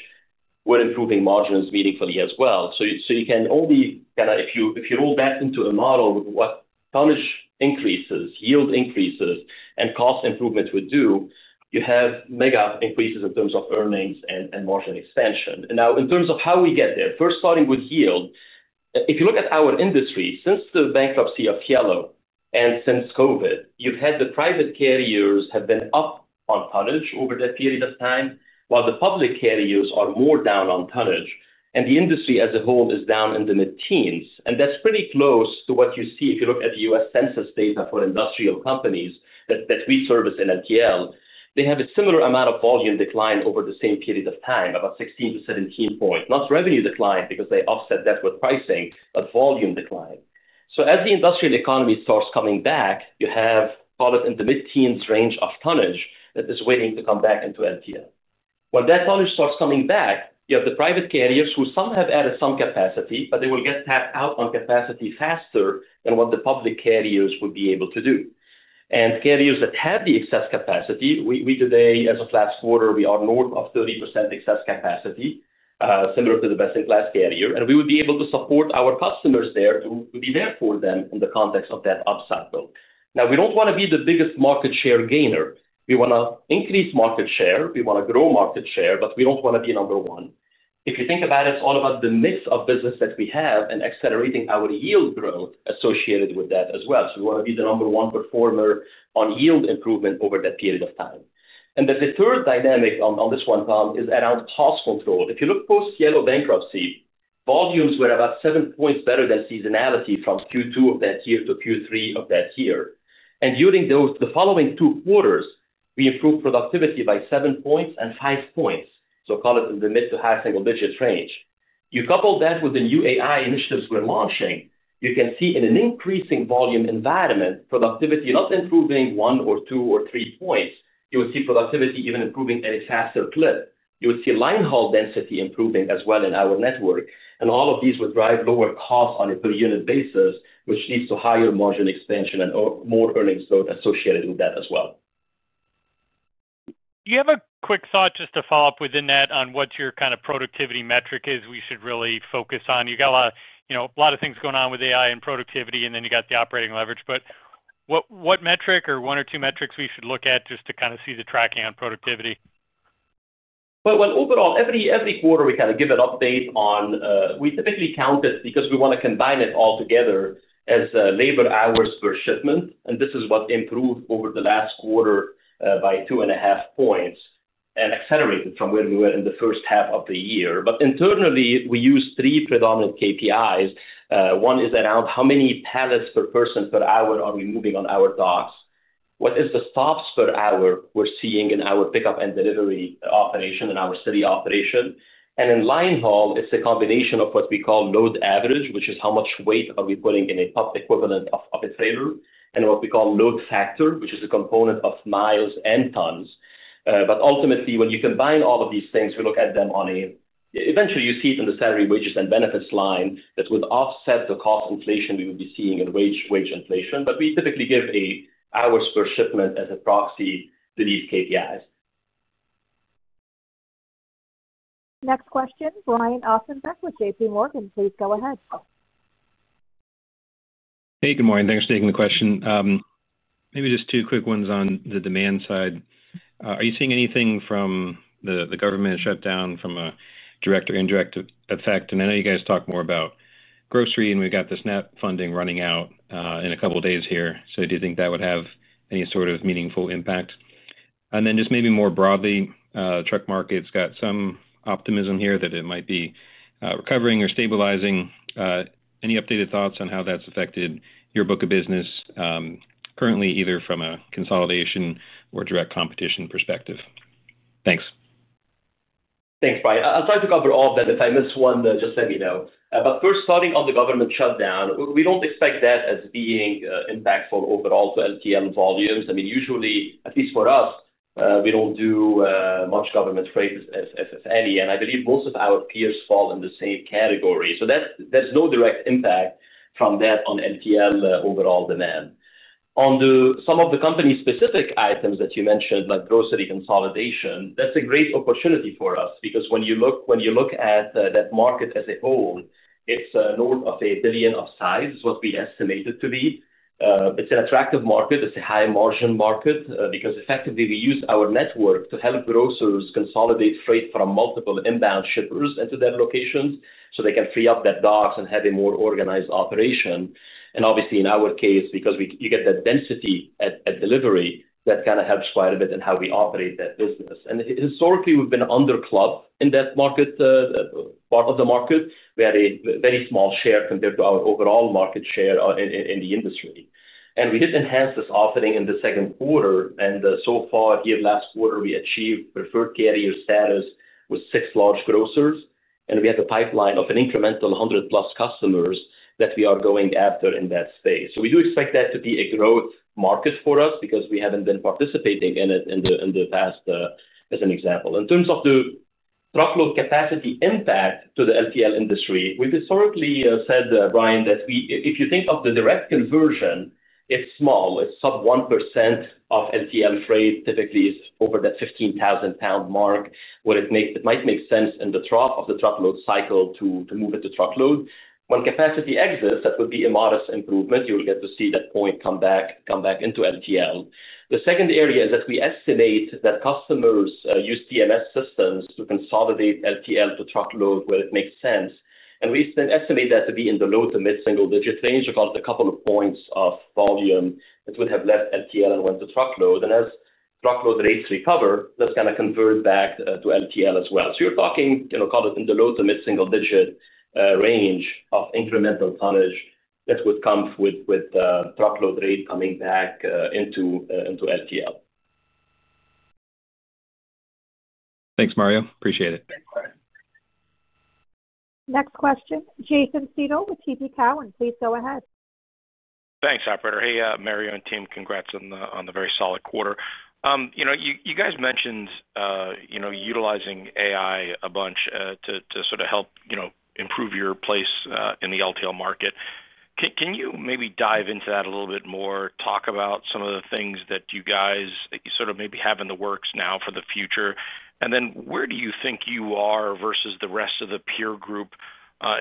we're improving margins meaningfully as well. You can only if you roll back into a model, what tonnage increases, yield increases and cost improvements would do you have mega increases in terms of earnings and margin expansion. In terms of how we get there first starting with yield, if you look at our industry since the bankruptcy of Yellow and since COVID you've had the private carriers have been up on tonnage over that period of time while the public carriers are more down on tonnage and the industry as a whole is down in the mid teens. That's pretty close to what you see if you look at the U.S. Census data. For industrial companies that we service in LTL, they have a similar amount of volume decline over the same period of time, about 16%-17%. Not revenue decline because they offset that with pricing, but volume decline. As the industrial economy starts coming back, you have call it in the mid-teens range of tonnage that is waiting to come back into LTL. When that tonnage starts coming back, you have the private carriers who some have added some capacity but they will get tapped out on capacity faster than what the public carriers would be able to do. Carriers that have the excess capacity, we today as of last quarter we are north of 30% excess capacity similar to the best in class carrier. We would be able to support our customers there to be there for them in the context of that upcycle. We don't want to be the biggest market share gainer, we want to increase market share, we want to grow market share, but we don't want to be number one. If you think about it, it's all about the mix of business that we have and accelerating our yield growth associated with that as well. We want to be the number one performer on yield improvement over that period of time, and the third dynamic on this one pound is around cost control. If you look post-Yellow bankruptcy, volumes were about 7% better than seasonality from Q2 of that year to Q3 of that year. During the following two quarters, we improved productivity by seven point and five point, so call it in the mid to high single digit range. You couple that with the new AI-driven technology initiatives we're launching, you can see in an increasing volume environment productivity not improving one or two or three points. You will see productivity even improving at a faster clip. You would see linehaul density improving as well in our network, and all of these would drive lower costs on a per unit basis, which leads to higher margin expansion and more earnings growth associated with that as well. You have a quick thought just to. Follow up within that on what your kind of productivity metric is. We should really focus on you got a lot of things going on with AI and productivity, and then you got the operating leverage. What metric or one or two metrics we should look at just to kind of see the tracking on productivity? Overall, every quarter we kind of give an update on. We typically count it because we want to combine it all together as labor hours per shipment. This is what improved over the last quarter by 2.5 points and accelerated from where we were in the first half of the year. Internally, we use three predominant KPIs. One is around how many pallets per person per hour are we moving on our docks. What is the stops per hour we're seeing in our pickup and delivery operation, in our city operation, and in line haul. It's a combination of what we call load average, which is how much weight are we putting in a PUP equivalent of a trailer, and what we call load factor, which is a component of miles and tons. Ultimately, when you combine all of these things, we look at them on a eventually you see it in the salary, wages, and benefits line that would offset the cost inflation we would be seeing in wage inflation. We typically give hours per shipment as a proxy to these KPIs. Next question. Brian Ossenbeck with JPMorgan, please go ahead. Hey, good morning. Thanks for taking the question. Maybe just two quick ones. On the demand side, are you seeing anything from the government shutdown from a direct or indirect effect? I know you guys talk more about grocery and we've got the SNAP funding running out in a couple days here, so do you think that would have any sort of meaningful impact? Maybe more broadly, truck market's got some optimism here that it might be recovering or stabilizing. Any updated thoughts on how that's affected your book of business currently either from a consolidation or direct competition perspective? Thanks. Thanks, Brian. I'll try to cover all of that. If I miss one, just let me know. First, starting on the government shutdown, we don't expect that as being impactful overall to LTL volumes. Usually, at least for us, we don't do much government business, and I believe most of our peers fall in the same category. There's no direct impact from that. On LTL overall demand and some of the company-specific items that you mentioned, like grocery consolidation, that's a great opportunity for us because when you look at that market as a whole, it's north of $1 billion of size, what we estimate it to be. It's an attractive market, it's a high-margin market because effectively we use our network to help grocers consolidate freight from multiple inbound shippers into their locations so they can free up their docks and have a more organized operation. In our case, because you get that density at delivery, that helps quite a bit in how we operate that business. Historically, we've been under-clubbed in that part of the market. We had a very small share compared to our overall market share in the industry, and we did enhance this offering in the second quarter. So far, here last quarter, we achieved preferred carrier status with six large grocers, and we have a pipeline of an incremental 100+ customers that we are going after in that space. We do expect that to be a growth market for us because we haven't been participating in it in the past. As an example, in terms of the truckload capacity impact to the LTL industry, we've historically said, Brian, that if you think of the direct conversion, it's small, it's sub-1% of LTL freight typically is over the 15,000-pound mark. It might make sense in the trough of the truckload cycle to move into truckload when capacity exists. That would be a modest improvement. You will get to see that point come back into LTL. The second area is that we estimate that customers use TMS systems to consolidate LTL to truckload where it makes sense. We estimate that to be in the low-to-mid-single-digit range across a couple of points of volume that would have left LTL and went to truckload. As truckload rates recover, that's going to convert back to LTL as well. You're talking in the low to mid-single-digit range of incremental tonnage that would come with truckload rate coming back into LTL. Thanks, Mario, appreciate it. Next question, Jason Seidl with TD Cowen, please. Go ahead. Thanks, operator. Hey Mario and team, congrats on the very solid quarter. You guys mentioned utilizing AI a bunch to help improve your place in the LTL market. Can you maybe dive into that? Talk about some of the things that you guys sort of maybe have in the works now for the future. Where do you think you are versus the rest of the peer group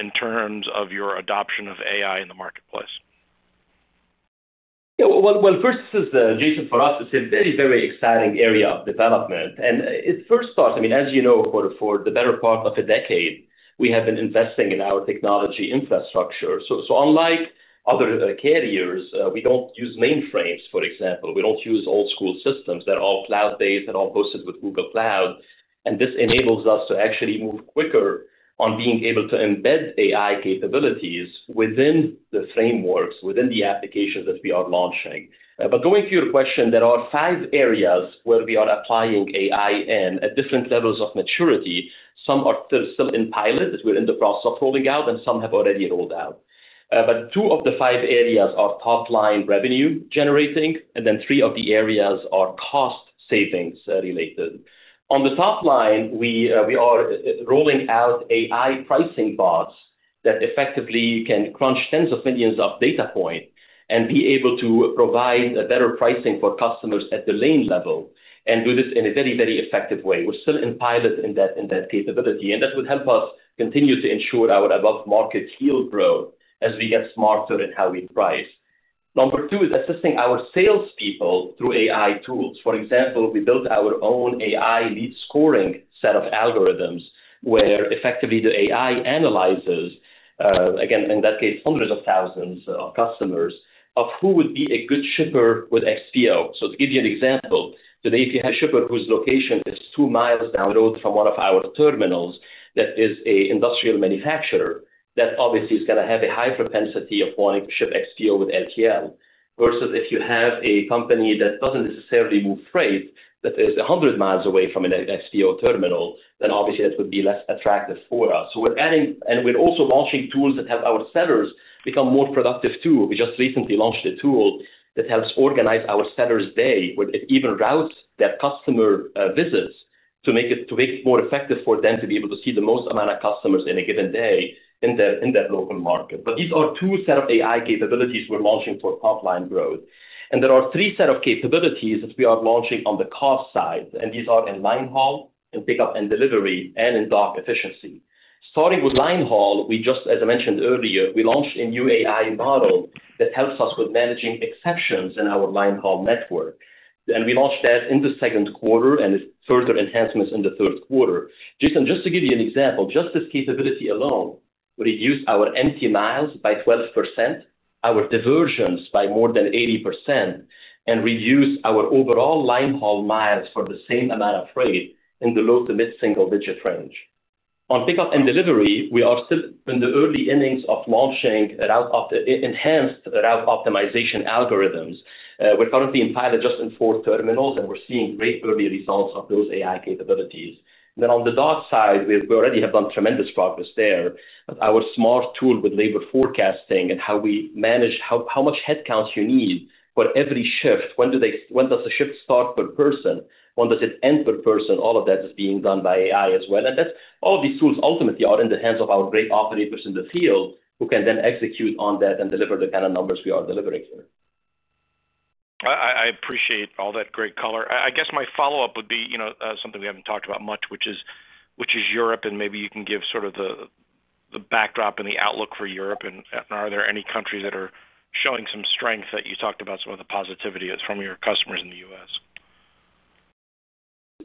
in terms of your adoption of AI in the marketplace? This is Jason. For us, it's a very, very exciting area of development and first thought. I mean, as you know, for the better part of a decade we have been investing in our technology infrastructure. Unlike other carriers, we don't use mainframes, for example. We don't use old school systems; they're all cloud-based and all hosted with Google Cloud. This enables us to actually move quicker on being able to embed AI capabilities within the frameworks, within the applications that we are launching. Going to your question, there are five areas where we are applying AI and at different levels of maturity. Some are still in pilot that we're in the process of rolling out and some have already rolled out. Two of the five areas are top line revenue generating and then three of the areas are cost savings related. On the top line, we are rolling out AI pricing bots that effectively can crunch tens of millions of data points and be able to provide better pricing for customers at the lane level and do this in a very, very effective way. We're still in pilot in that capability and that would help us continue to ensure our above market yield growth as we get smarter at how we price. Number two is assisting our salespeople through AI tools. For example, we built our own AI lead scoring set of algorithms where effectively the AI analyzes, again in that case, hundreds of thousands of customers of who would be a good shipper with XPO. To give you an example, today, if you have a shipper whose location is two miles down the road from one of our terminals that is an industrial manufacturer, that obviously is going to have a high propensity of wanting to ship XPO with LTL versus if you have a company that doesn't necessarily move freight that is 100 mi away from an XPO terminal, then obviously that would be less attractive for us. We're adding and we're also launching tools that have our sellers become more productive too. We just recently launched a tool that helps organize our sellers' day where it even routes their customer visits to make it more effective for them to be able to see the most amount of customers in a given day in that local market. These are two set of AI capabilities we're launching for top line growth. There are three set of capabilities that we are launching on the cost side and these are in line haul and pickup and delivery and in dock efficiency. Starting with line haul, just as I mentioned earlier, we launched a new AI model that helps us with managing exceptions in our linehaul network, and we launched that in the second quarter with further enhancements in the third quarter. Jason, just to give you an example, just this capability alone reduced our empty miles by 12%, our diversions by more than 80%, and reduced our overall linehaul miles for the same amount of freight in the low-to-mid single digit range on pickup and delivery. We are still in the early innings of launching enhanced route optimization algorithms. We're currently in pilot just in four terminals, and we're seeing great early results of those AI capabilities. On the DOT side, we already have done tremendous progress there. Our smart tool with labor forecasting and how we manage how much headcount you need for every shift, when does the shift start per person, when does it end per person, all of that is being done by AI as well. All of these tools ultimately are in the hands of our great operators in the field who can then execute on that and deliver the kind of numbers we are delivering here. I appreciate all that great color. I guess my follow-up would be something we haven't talked about much, which is Europe and maybe you can give sort of the backdrop and the outlook for Europe. Are there any countries that are showing some strength? You talked about some of the positivity from your customers in the U.S.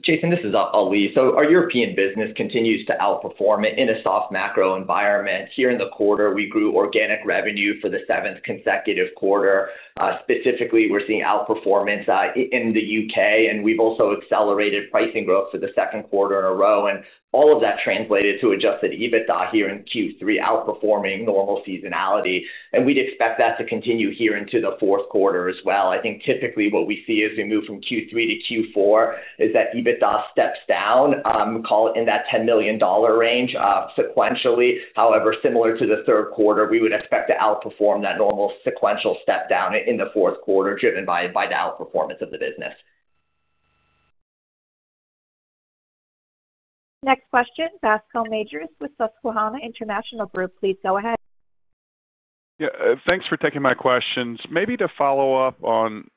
Jason, this is Ali. Our European business continues to outperform in a soft macro environment. Here in the quarter, we grew organic revenue for the seventh consecutive quarter. Specifically, we're seeing outperformance in the U.K., and we've also accelerated pricing growth for the second quarter in a row. All of that translated to adjusted EBITDA here in Q3 outperforming normal seasonality. We'd expect that to continue into the fourth quarter as well. Typically, what we see as we move from Q3 to Q4 is that EBITDA steps down, call it in that $10 million range sequentially. However, similar to the third quarter, we would expect to outperform that normal sequential step down in the fourth quarter driven by the outperformance of the business. Next question. Bascome Majors with Susquehanna International Group. Please go ahead. Thanks for taking my questions. Maybe to follow up on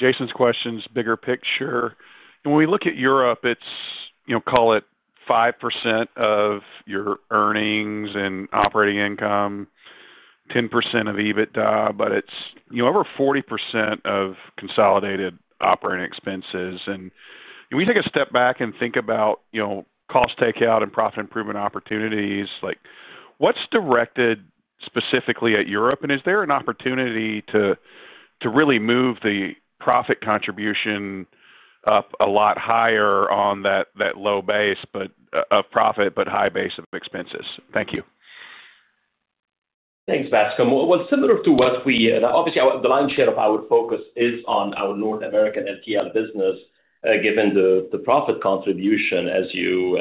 Jason's question, it's bigger picture. When we look at Europe, it's, call it, 5% of your earnings and operating income, 10% of EBITDA, but it's over 40% of consolidated operating expenses. We take a step back and think about cost takeout and profit improvement opportunities. What's directed specifically at Europe? Is there an opportunity to really move the profit contribution up a lot higher on that low base of profit but high base of expenses. Thank you. Thank you, Bascome. Similar to what we obviously the lion's share of our focus is on our North American LTL business given the profit contribution, as you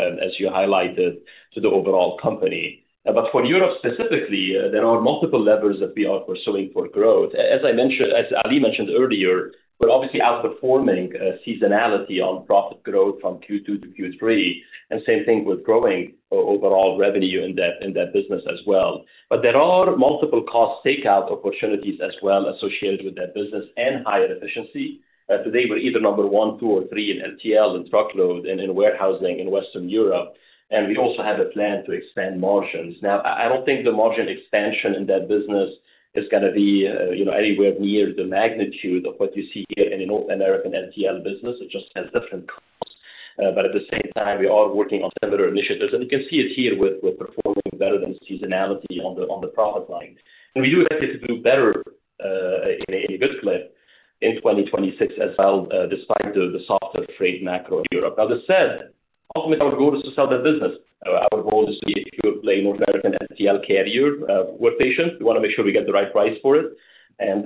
highlighted, to the overall company. For Europe specifically, there are multiple levers that we are pursuing for growth as I mentioned, as Ali mentioned earlier, obviously outperforming seasonality on profit growth from Q2 to Q3 and the same thing with growing overall revenue in that business as well. There are multiple cost takeout opportunities as well associated with that business and higher efficiency. Today we're either number one, two, or three in LTL and truckload and in warehousing in Western Europe. We also have a plan to expand margins. I don't think the margin expansion in that business is going to be anywhere near the magnitude of what you see here in our North American LTL business. It just has different costs, but at the same time we are working on similar initiatives and you can see it here with performing better than seasonality on the profit line. We do expect it to do better in good clip in 2026 as well despite the softer freight macro in Europe. That said, ultimately our goal is to sell that business. Our goal is to play North American LTL carrier workstation. We want to make sure we get the right price for it and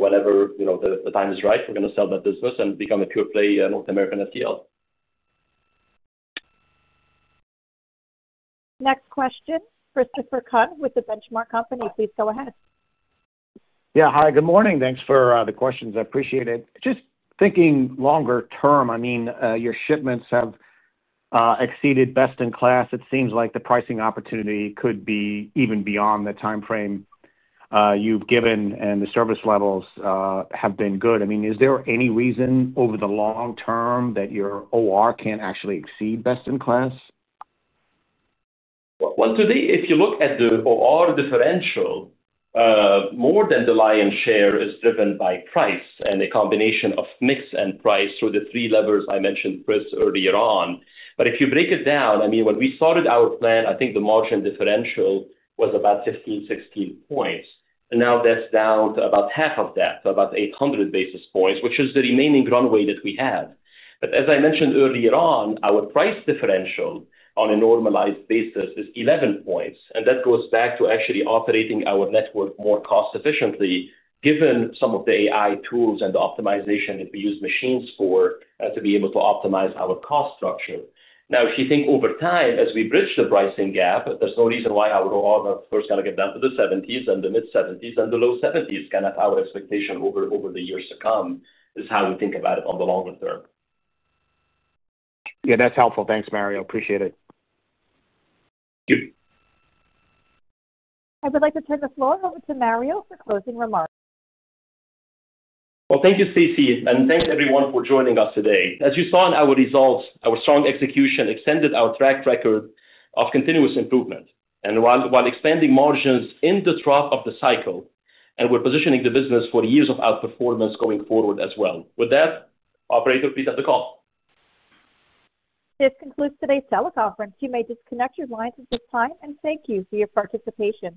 whenever the time is right we're going to sell that business and become a pure play North American LTL. Next question. Christopher Kuhn with The Benchmark Company, please go ahead. Yeah, hi, good morning. Thanks for the questions. I appreciate it. Just thinking longer-term, I mean your shipments have exceeded best-in-class. It seems like the pricing opportunity could be even beyond the timeframe you've given, and the service levels have been good. Is there any reason over the long-term that your OR can't actually exceed best in class? Today, if you look at the OR differential, more than the lion's share is driven by price and a combination of mix and price through the three levers I mentioned, Chris, earlier on. If you break it down, I mean when we started our plan, I think the margin differential was about 15, 16 points, and now that's down to about half of that, about 800 basis points, which is the remaining runway that we have. As I mentioned earlier on, our price differential on a normalized basis is 11 points, and that goes back to actually operating our network more cost efficiently given some of the AI tools and optimization that we use machines for to be able to optimize our cost structure. If you think over time, as we bridge the pricing gap, there's no reason why our first kind of get down to the '70s and the mid-'70s and the low-'70s. Kind of our expectation over the years to come is how we think about it on the longer-term. Yeah, that's helpful. Thanks, Mario, appreciate it. I would like to turn the floor over to Mario for closing remarks. Thank you, Stacey, and thank everyone for joining us today. As you saw in our results, our strong execution extended our track record of continuous improvement while expanding margins in the trough of the cycle, and we're positioning the business for years of outperformance going forward as well. With that, operator, [AUDIO DISTORTION] the call. This concludes today's teleconference. You may disconnect your lines at this time, and thank you for your participation.